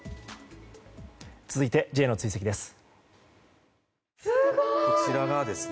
続いて、Ｊの追跡です。